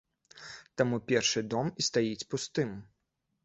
Таму першы дом і стаіць пустым.